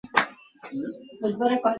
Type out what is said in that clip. দেখব আর কী?